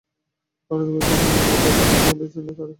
আনন্দময়ী কহিলেন, বিনয়ের কাকা রাগ করেছেন, তাঁরা কেউ আসবেন না।